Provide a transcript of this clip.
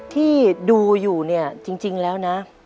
ที่ดูอยู่เนี่ยจริงแล้วนะ